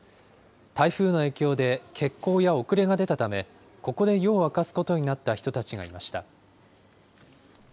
台風の影響で欠航や遅れが出たため、ここで夜を明かすことになった人たちがいました。